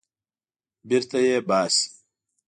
بېرته یې باسي.